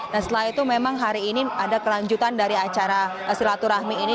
dan setelah itu memang hari ini ada kelanjutan dari acara silaturahmi ini